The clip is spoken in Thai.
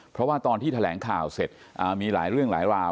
เพราะว่าตอนที่แถลงข่าวเสร็จมีหลายเรื่องหลายราว